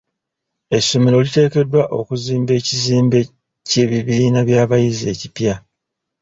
Essomero liteekeddwa okuzimba ekizimbe ky'ebibiina by'abayizi ekipya.